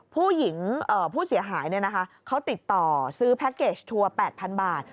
ผู้หญิงผู้เสียหายเนี่ยนะคะเขาติดต่อซื้อแพ็คเกจทัวร์๘๐๐๐บาท